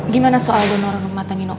gimana soal donor rumah tangino